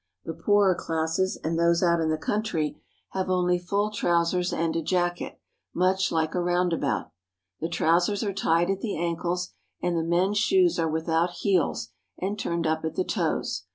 The poorer classes and those out in the country have only full trou sers and a jacket, much like a roundabout. The trousers are tied at the ankles, and the men's shoes are without heels and turned up at the toes.